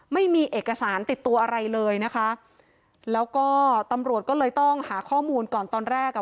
ไม่มีเอกสารติดตัวอะไรเลยนะคะแล้วก็ตำรวจก็เลยต้องหาข้อมูลก่อนตอนแรกอ่ะ